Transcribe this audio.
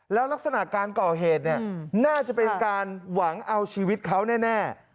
แล้วลักษณะการก่อเหตุเนี่ยน่าจะเป็นการหวังเอาชีวิตเขาแน่